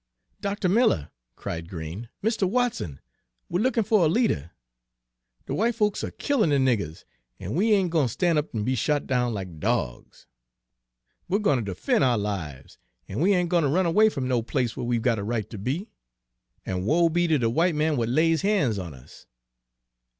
"Dr. Miller," cried Green, "Mr. Watson, we're lookin' fer a leader. De w'ite folks are killin' de niggers, an' we ain' gwine ter stan' up an' be shot down like dogs. We're gwine ter defen' ou' lives, an' we ain' gwine ter run away f'm no place where we 'we got a right ter be; an' woe be ter de w'ite man w'at lays ban's on us!